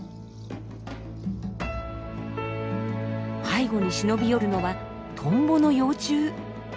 背後に忍び寄るのはトンボの幼虫。